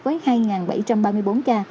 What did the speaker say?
với hai bảy trăm ba mươi bốn ca